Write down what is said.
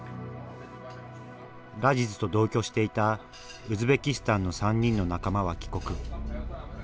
ラジズと同居していたウズベキスタンの３人の仲間は帰国。